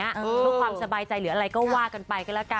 เพราะความสบายใจหรืออะไรก็ว่ากันไปกันล่ะกะ